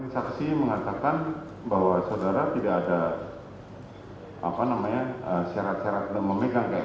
saksi mengatakan bahwa saudara tidak ada syarat syarat dan memegang